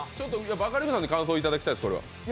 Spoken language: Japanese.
バカリズムさんに感想、聞きたいです。